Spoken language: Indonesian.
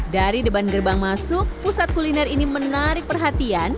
dari depan gerbang masuk pusat kuliner ini menarik perhatian